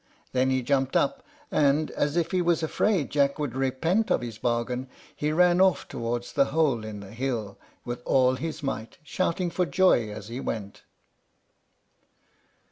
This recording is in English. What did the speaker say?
Then he jumped up; and, as if he was afraid Jack should repent of his bargain, he ran off towards the hole in the hill with all his might, shouting for joy as he went.